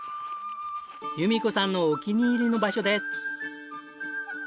由美子さんのお気に入りの場所です。